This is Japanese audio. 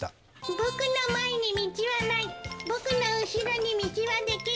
僕の前に道はない、僕の後ろに道はできる。